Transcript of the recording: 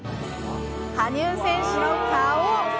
羽生選手の顔。